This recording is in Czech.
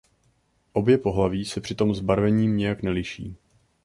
Obě pohlaví se přitom zbarvením nijak neliší.